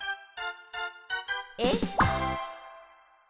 えっ？